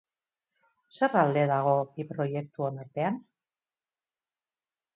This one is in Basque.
Zer alde dago bi proiektuon artean?